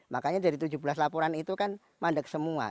makanya dari tujuh belas laporan itu kan mandek semua